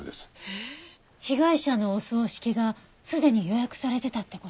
被害者のお葬式がすでに予約されてたって事？